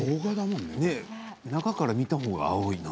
中から見た方が青い。